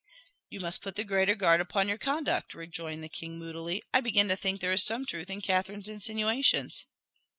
"You must put the greater guard upon your conduct," rejoined the king moodily. "I begin to think there is some truth in Catherine's insinuations."